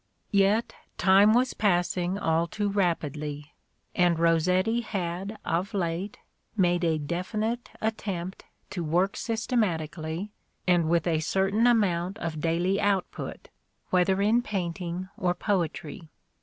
Yet time was passing all too rapidly : and Rossetti had of late made a definite attempt to work systematically and with a certain amount of daily output, whether in painting or poetry.